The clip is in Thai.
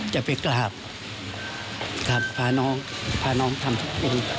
จะไปกราบพาน้องพาน้องทำทุกอย่าง